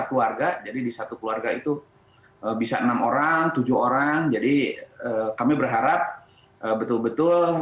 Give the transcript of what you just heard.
keluarga jadi di satu keluarga itu bisa enam orang tujuh orang jadi kami berharap betul betul